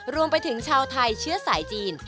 รวมไปถึงชาวไทยเชื้อสายจีน